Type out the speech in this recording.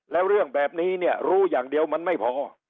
แล้วเรื่องแบบนี้เนี่ยรู้อย่างเดียวมันไม่พอ